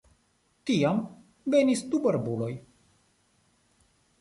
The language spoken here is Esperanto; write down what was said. Tiam venis du barbuloj.